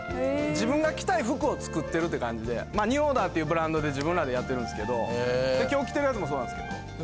自分が着たい服を作ってるって感じでＮＥＷＯＲＤＥＲっていうブランドで自分らでやってるんですけど今日着てるやつもそうなんですけど。